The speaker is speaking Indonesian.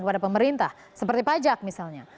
kepada pemerintah seperti pajak misalnya